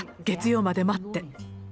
月曜まで待って」。